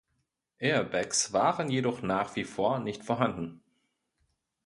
Airbags waren jedoch nach wie vor nicht vorhanden.